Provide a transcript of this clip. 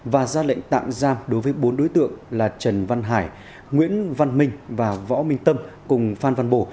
và ra lệnh tạm giam đối với bốn đối tượng là trần văn hải nguyễn văn minh và võ minh tâm cùng phan văn bồ